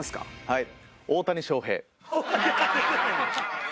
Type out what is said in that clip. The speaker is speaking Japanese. はい。